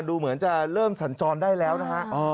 ดูเหมือนจะเริ่มสัญจรได้แล้วนะฮะ